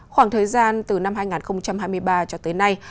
khoảng thời gian từ năm hai nghìn hai mươi ba cho tới nay